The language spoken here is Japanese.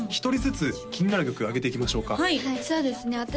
１人ずつ気になる曲挙げていきましょうかはいそうですね